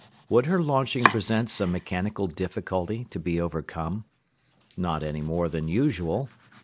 Would her launching present some mechanical difficulty to be overcome? Not any more than usual.